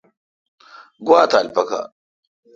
گوا تھال پکار۔